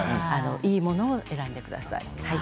いいものを選んでください。